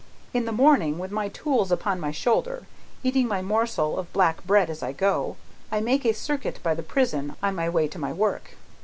In the morning, with my tools upon my shoulder, eating my morsel of black bread as I go, I make a circuit by the prison, on my way to my work.